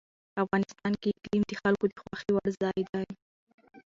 افغانستان کې اقلیم د خلکو د خوښې وړ ځای دی.